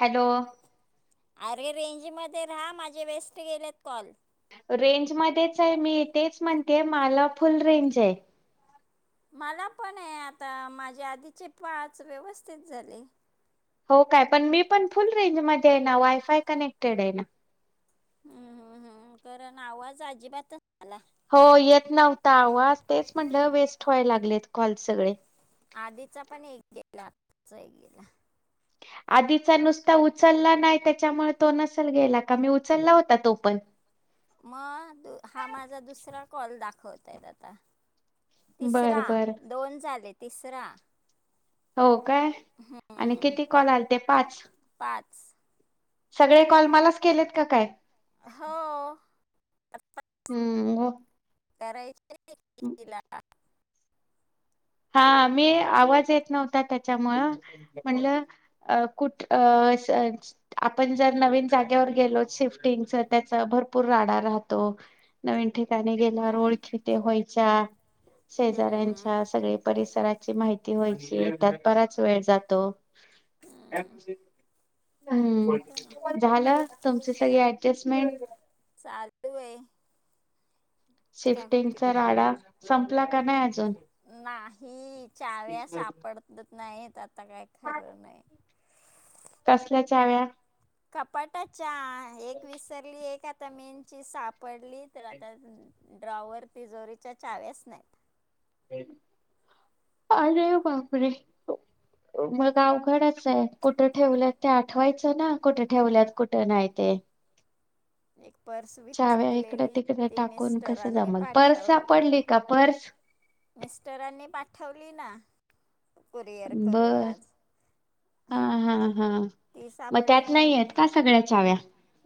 Hello अरे रेंजमध्ये राहा. माझे वेस्ट गेलेत काॅल. रेंज मध्येच आहे. मी तेच म्हणते माला फुल रेंज आहे. मला पण आहे आता. माझ्या आधीचे पाच व्यवस्थित झाले. हो काय? पण मी पण फुल रेंज मध्ये आहे ना. वायफाय कनेक्टेड आहे ना? हम्, हम्म, हम्, कारण आवाज अजिबातच [inaudible] आला. हो येत नव्हता आवाज. तेच म्हंणलं वेस्ट व्हायला लागलेत कॉल सगळे. आधीचा पण एक गेला. आताचा एक गेला. आधीचा नुसता उचलला नाही. त्याच्यामुळे तो नसेल गेला. का? मी उचलला होता तो पण? मग हा माझा दुसरा कॉल दाखवताय आता. तिसरा बर बर दोन झाले. तिसरा हो का? आणि हम्म, किती कॉल आल ते पाच. [inaudible] पाच सगळे कॉल मलाच केलेत का? काय. हो आता हम्म करायचे एक एकीला हा! मी आवाज येत नव्हता. त्याच्यामुळं म्हणलं अ कुठ [unintelligible] आपण जर नवीन जागेवर गेलो? शिफ्टिंगचा, त्याचा भरपूर राडा राहतो. नवीन ठिकाणी गेल्यावर ओळखी त्या व्हायच्या. हम्म, शेजाऱ्यांच्या, सगळी परिसराची माहिती व्हायची, त्यात बराच वेळ जातो. [inaudible] हम्म. ह बघतो ना. झालं तुमचे सगळे टेसमेंट [unintelligible] चालु होय. शिफ्टिंगचा काय राडा संपला का? नाही अजून. नाही! चाव्या सापडत नाहीत? आता काय खरं नाही. कसल्या चाव्या? कपाटाच्या एक विसरली? एक आता मेनची सापडली तर आता. ड्रॉवर तिजोरीच्या चाव्याच नाही. [inaudible] अरे बापरे! मग आवघडच आहे. कुठं ठेवल्यात ते आठवायचं ना? कुठं ठेवल्यात कुठं नाही? ते एक पर्स चाव्या इकडं विसरलेली तिकडं ती टाकून कसं मिस्टरांनी जमल पर्स पाठवली. सापडली का पर्स मिस्टरांनी पाठवली ना कुरिअर करून बर आज. हा हा हा ती मग सापडली त्यात नाही म्हणून आहेत का सगळ्या चाव्या?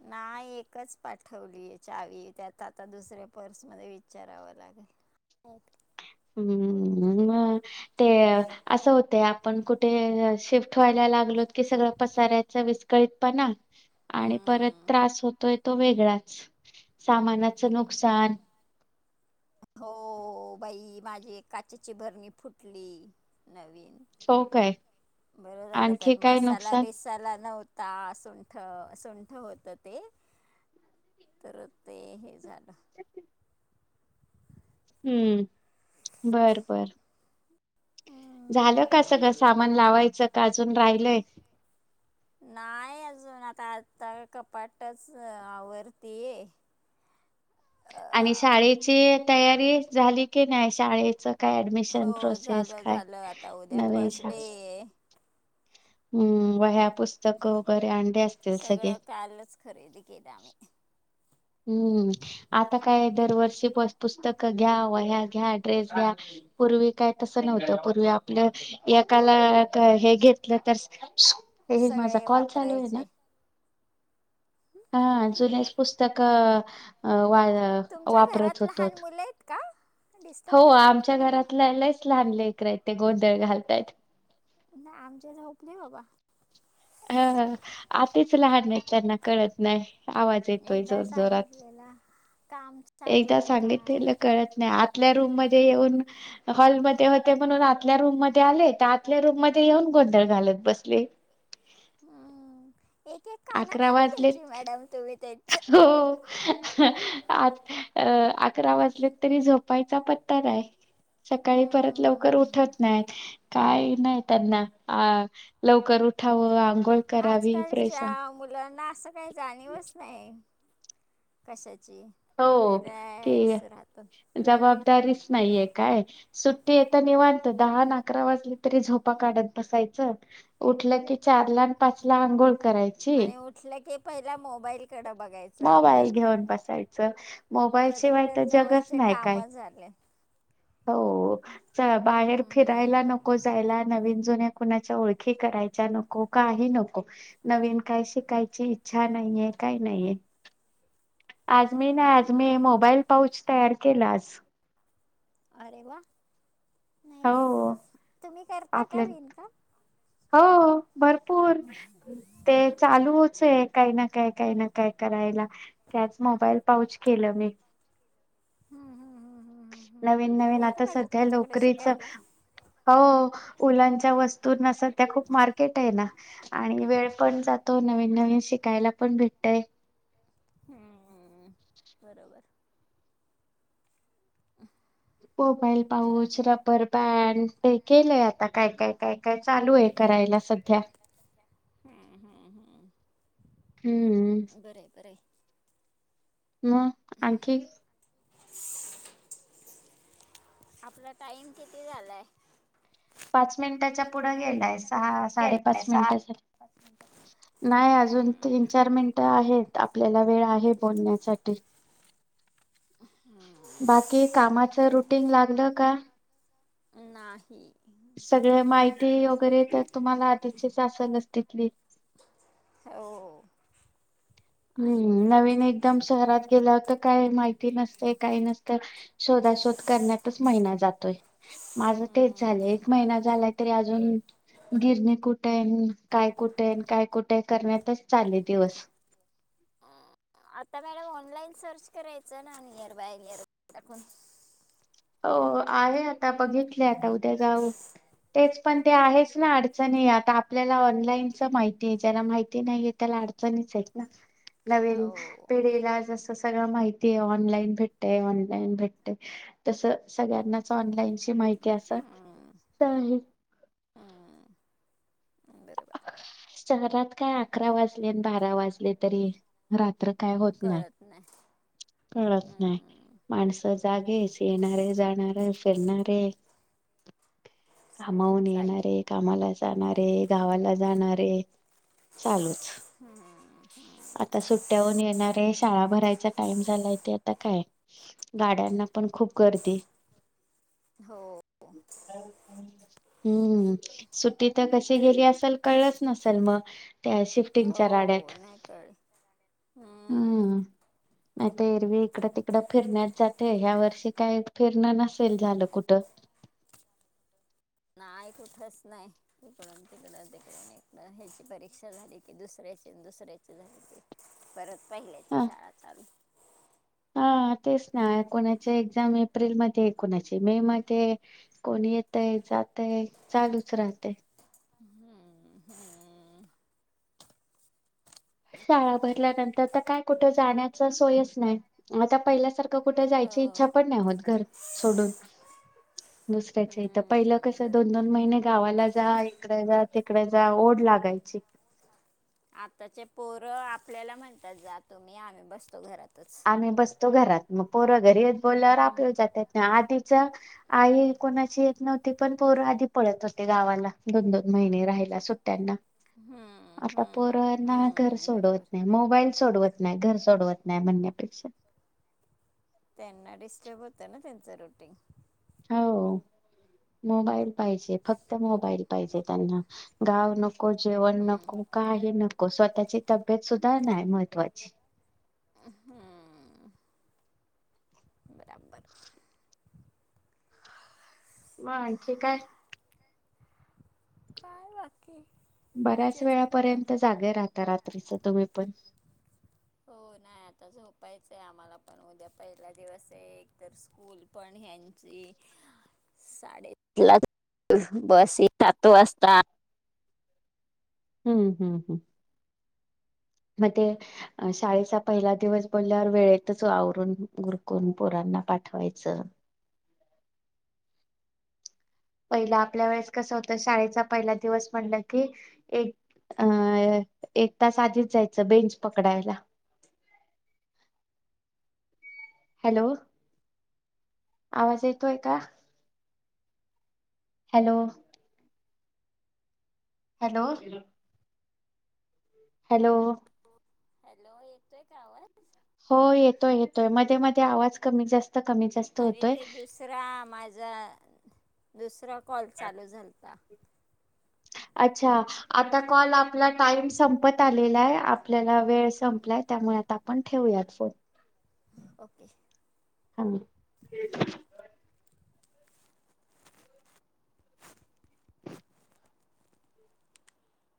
नाही एकच पाठवलीय चावी त्यात, आता दुसऱ्या पर्स मध्ये विचारावं लागेल. एक. हम्म हम ते असं होतया आपण कुठे शिफ्ट व्हायला लागलोत की, सगळं पसारायचं विस्कळीत पणा. आणि परत हम्म त्रास होतोय तो वेगळाच सामानाचं नुकसान. हो बाई माझी काचेची भरणी फुटली नवीन. हो काय बरं झालं आणखी त्यात काय मसाला नुकसान बी साला नव्हता सुंठ, सुंठ होतं ते तर ते हे झालं. हम्म बरं, बर. झालं हम्म, का सगळं सामान लावायचं का अजून राहिलय? नाही अजून आता आता कपाटच आवरतीये. आणि शाळेची तयारी झाली की नाही शाळेच? काय ऍडमिशन हो प्रोसेस झालं काय झालं आता उद्या नवीन फर्स्ट डे शाळा आहे हम्म व ह्या पुस्तकं वगैरे आणले‌ असतील सगळे. सगळं कालच खरेदी केल्या आम्ही. हम्म आता काय दरवर्षी पुस्तकं घ्या, वह्या घ्या, ड्रेस घ्या. पूर्वी काय तसं नव्हतं. पूर्वी आपलं एकाला हे घेतलं तर, ये माझा सगळे कॉल चालू आहे ना. वापरायचे हा जुनेच पुस्तक वा तुमच्या वापरत घरात होतो लहान मुल आहेत का? डिस्टर्ब हो करतात आमच्या तुम्हाला घरातल्याल लईच लहान लेकर आहेत ते गोंधळ घालतायेत. नाय आमची झोपली बाबा. हम्म आतीच लहान आहे त्यांना कळत नाही आवाज येतोय एकदा जोर जोरात. [inaudible] चालू एकदा आहे काय सांगितलेलं कळत नाही ‌. आतल्या रूम मध्ये येऊन- हॉलमध्ये होते म्हणून आतल्या रूम मध्ये आले, तर आतल्या रूम मध्ये येऊन गोंधळ घालत बसले. हम्म एक, एक काना अकरा खाली वाजलेत द्यायची मॅडम तुम्ही त्यांच्या. हो [inaudible] आ अ- आकरा वाजलेत तरी झोपायचा पत्ता नाही. सकाळी परत लवकर हम्म. उठत नाहीत काय नाही त्यांना आ लवकर उठावं आंघोळ करावी फ्रेश आजकालच्या मुलांना असं काही जाणीवच नाही कशाची? हो की रिलॅक्स राहतात. जबाबदारीच नाहीये काय? सुट्टी आहे तर निवांत दहा अन अकरा वाजले तरी झोपा काढत बसायचं. उठलं की चार ला अन पाच ला अंघोळ कराय आणि उठलं की पहिला मोबाईल कड बघायचं. मोबाईल अपडेट घेऊन बसायचं मोबाईल शिवाय तर कलेक्टरच्या जगच वरचे नाही काम काय झाले. हो च बाहेर हम्म, फिरायला नको जायला नवीन जुन्या कुणाच्या ओळखी करायच्या नको काही नको. नवीन काय शिकायची इच्छा नाहीये, काय नाहीेये. [inaudible] आज मी ना, आज हम्म. मी मोबाईल पाऊच तयार केला आज. अरे वा! हो नाहीस तुम्ही करता का आपल्यात विणकाम हो भरपूर ते चालूच ये काही ना काय, काही ना काय करायला ते आज मोबाईल पाऊच केलं मी. हा.. हां.. हां.. हां.. हां... नवीन नवीन आता सध्या लोकरीच हो उलनच्या वस्तूना सध्या खूप मार्केट आहे ना, आणि वेळ पण जातो नवीन-नवीन शिकायला पण भेटतयं. हुं.. बरोबर. [unintelligible] Mobile pouch rubber band ते केलंय आता काय-काय- काय-काय चालू आहे करायला सध्या हम्म, हम्म, हम्म. हूं.. बराय. बराय. मग आणखी? [unintelligible] आपला टाइम किती झालाय? पाच मिनिटाच्या पुढं गेलाय, सहा साडेपाच मिनिटं झाली. नाही अजून तीन चार मिनटं आहेत आपल्याला वेळ आहे बोलण्यासाठी. अं.. हा बाकी कामाच रुटीन लागलं का? नाही. सगळं माहिती वगैरे तर तुम्हांला आधीचीच असलच तिथली, हो..... आहे. हूं... नवीन एकदम शहरात गेल्याव तर काय माहिती नसतंय, काय नसतंय. शोधा-शोध करण्यातच महिना जातोय, माझं तेच झालंय एक हम्म. महिना झाला, तरी अजून गिरणी कुठंय, अन काय कुठय, काय कुठंय करण्यातच चालले दिवस. आता मॅडम ऑनलाईन सर्च करायचं ना नियर बाय, नियर बाय टाकून हो आहे, आता बघितले, आता उद्या जाऊ. तेच पण ते आहेच ना अडचणी आता आपल्याला ऑनलाईनच माहिती आहे, ज्याला माहिती नाहीये त्याला अड चणीच आहेत ना, [inaudible] नवीन हो पिढीला जसं तर सगळं माहिती आहे ऑनलाईन भेटतयं, ऑनलाईन भेटते, तसं सगळ्यांनाच ऑनलाईन ची माहिती असं हम्म, नाही. हम्म. बरोबर शहरात काय अकरा वाजले आणि बारा वाजले तरी रात्र- काय होत नाय, कळत नाही कळत नाय. हम्म, माणसं जागेच, येणारे, जाणारे, फिरणारे, सगळे कामाहून जागे येणारे, कामाला जाणारे, गावाला जाणारे, चालूच. हम्मम आता सुट्ट्याहून येणारे, शाळा भरायचा टाइम झालाय ते आता काय, गाड्यांना पण खूप गर्दी हो ह हम्म, सुट्टी तर कशी गेली असल कळलंच नसेल मग. त्या शिफ्टिंगच्या राड्यात. हो नाही कळलं. हम्म नाहीतर एरवी इकडं तिकडं फिरण्यात जातय, ह्या वर्षी काय फिरणं नसेल झालं कुठं. काय कुठंच नाही. इकडुन तिकड, तिकडुन ईकडं, ह्याची परीक्षा झाली की दुसऱ्याची दुसऱ्याची झाली की. परत पहिल्याची ह शाळा चालु. हा तेच ना, कोणाची एक्झाम एप्रिलमध्ये, कोणाची मे मध्ये, कोणी येतय जातय चालूच राहतय, हम्म हम्म. शाळा भरल्यानंतर तर काय कुठं जाण्याचा सोयच नाही. आता पहिल्यासारखं कुठे जायची हो इच्छा पण नाही होत, घर सोडून, स दुसऱ्याच्या इथं, पहिलं कसं दोन दोन महिने गावाला जा, इकडे जा तिकडे जा ओढ लागायची आताचे पोरं आपल्याला म्हणतात जा तुम्ही, आम्ही बसतो घरातच आम्ही बसतो घरात, मग पोरं घरी येत बोल्यावर आपल्या जाता येत नाहित, आधीच आई कोणाची येत नव्हती पण पोर आधी पळत होते गावाला, दोन दोन महिने राहायला सुट्ट्यांना- हम्म आता हम्म, पोरांना घर हम्म, सोडवत बरोबर नाही, मोबाईल सोडवत नाही घर सोडवत नाही म्हणण्या तेच त्यांना डिस्टर्ब होतंय ना त्यांचं रुटीन, हम्म मोबाईल पाहिजे, फक्त मोबाईल पाहिजे त्यांना, गाव नक नको, जेवण नको, काही नको, स्वतःची तब्येत सुद्धा नाही महत्त्वाची. हम्म बराबर. मग आणखी काय.? काय बाकी. बऱ्याच मजा सगळं वेळापर्यंत जागे राहता रात्रीच तुम्ही पण हो, नाही आता झोपायचं आहे आम्हाला पण, उद्या पहिला दिवस आहे, एकतर स्कूल पण ह्यांची साडेआठला बस येत सात वाजता हम्म हम्म हम्म, मग ते अ शाळेचा पहिला दिवस बोलल्यावर वेळेतच आवरून ऊरकून पोरांना पाठवायचं. पहिला आपल्या वेळेस कसं होतं, शाळेचा पहिला दिवस म्हणलं की अं, एक तास आधीच जायचं बेंच पकडायला. हॅलो! आवाज येतोय का? हॅलो! हॅलो! हॅलो हॅलो येतोय का आवाज? हो येतोय येतोय मध्ये मध्ये आवाज कमी -जास्त कमी जास्त अरे होतोय. ते दुसरा माझा दुसरा कॉल चालू झालता. अच्छा आता कॉल आपला टाइम संपत आलेला आहे आपल्याला वेळ संपलाय. त्यामुळे आपण ठेवूयात फोन. ओके. हम्म. [inaudible]